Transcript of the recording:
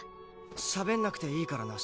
しゃべんなくていいからな焦